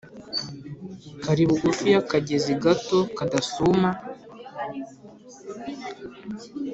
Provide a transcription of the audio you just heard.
kari bugufi y’akagezi gato kadasuma;